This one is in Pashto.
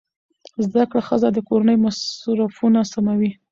زده کړه ښځه د کورنۍ مصرفونه سموي.